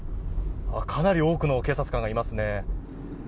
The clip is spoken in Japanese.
かなり多くの警察官がいますね。